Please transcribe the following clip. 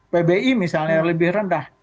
pbi misalnya lebih rendah